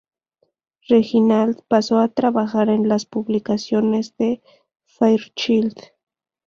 Reginald pasó a trabajar en las publicaciones de Fairchild.